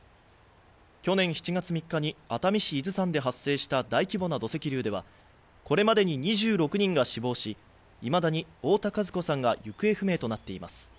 去年７月３日に熱海市伊豆山で発生した大規模な土石流ではこれまでに２６人が死亡し、いまだに太田和子さんが行方不明となっています。